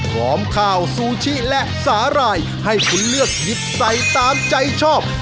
หอมข้าวซูชิและสาหร่ายให้คุณเลือกหยิบใส่ตามใจชอบ